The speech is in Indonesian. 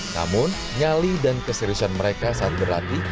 namun nyali dan keseriusan mereka saat berlatih